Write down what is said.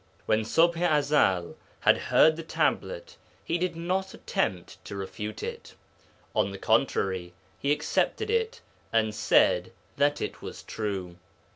When Ṣubḥ i Ezel had heard the tablet he did not attempt to refute it; on the contrary he accepted it, and said that it was true.